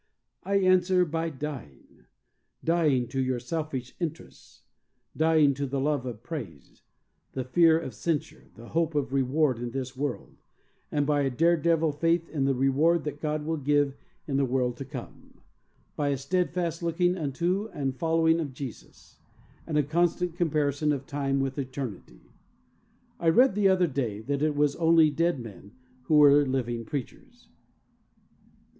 I answer, by dying — dying to your selfish interests, dying to the love of praise, the fear of cen sure, the hope of reward in this world, and by a dare devil faith in the reward that God will give in the world to come ; by a steadfast looking unto and following of Jesus, and a constant comparison of time with eternity. I read the other day that it was only dead men who were living preachers.